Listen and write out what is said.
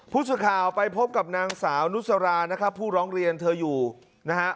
พุชาข่าวไปพบกับนางสาวนุสารนะคะผู้ร้องเรียนเธออยู่นะฮะ